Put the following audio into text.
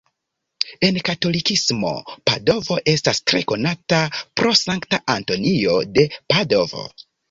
En katolikismo Padovo estas tre konata pro Sankta Antonio de Padovo.